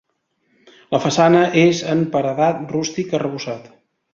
La façana és en paredat rústic arrebossat.